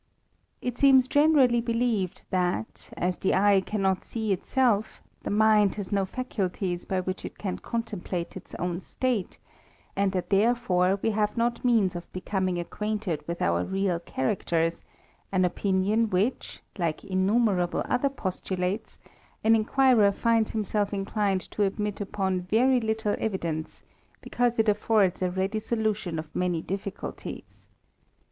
It seems generally believed, that, as the eye cannot itself, the mind has no faculties by which it can contempt its own state, and that therefore we have not means or '* becoming acquainted with our real characters ; an opinioiT which, like innumerable other postulates, an inquirer himself inclined to admit upon very little evidence, it affords a ready solution of many difficulties.